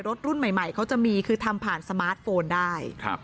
รุ่นใหม่เขาจะมีคือทำผ่านสมาร์ทโฟนได้